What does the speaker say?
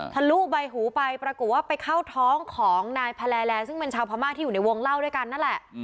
ทะลุใบหูไปปรากฏว่าไปเข้าท้องของนายแพลแลซึ่งเป็นชาวพม่าที่อยู่ในวงเล่าด้วยกันนั่นแหละ